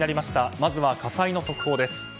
まずは火災の速報です。